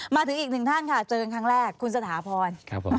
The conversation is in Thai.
มาถึงอีกหนึ่งท่านค่ะเจอกันครั้งแรกคุณสถาพรครับผม